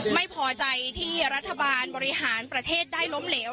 ไม่พอใจที่รัฐบาลบริหารประเทศได้ล้มเหลว